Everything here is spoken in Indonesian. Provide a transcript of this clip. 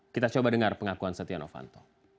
kita coba dengar pengakuan setia novanto